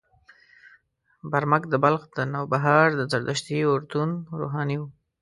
برمک د بلخ د نوبهار د زردشتي اورتون روحاني و.